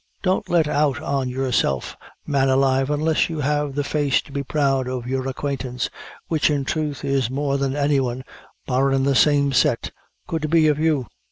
Don't let out on yourself, man alive, unless you have the face to be proud of your acquaintance, which in throth is more than anyone, barrin' the same set, could be of you."